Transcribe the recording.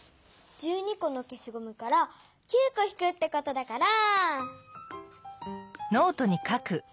このけしごむから９こひくってことだから。